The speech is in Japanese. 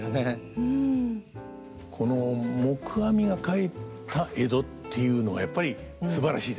この黙阿弥が書いた江戸っていうのはやっぱりすばらしいですね。